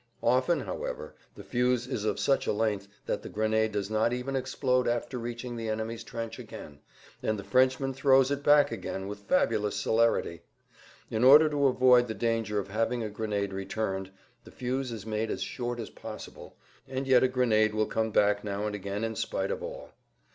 Often, however, the fuse is of such a length that the grenade does[Pg 160] not even explode after reaching the enemy's trench again, and the Frenchman throws it back again with fabulous celerity. In order to avoid the danger of having a grenade returned the fuse is made as short as possible, and yet a grenade will come back now and again in spite of all.